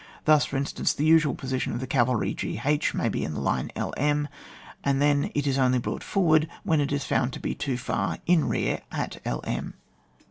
Thus, for in stance, &e usual position of the cavalry, g h, may be in the line Itn, and then it is only brought forward when it is foimd to be too far in rear at I m.